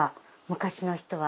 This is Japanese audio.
昔の人は。